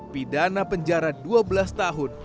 pidana penjara dua belas tahun